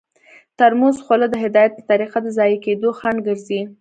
د ترموز خوله د هدایت په طریقه د ضایع کیدو خنډ ګرځي.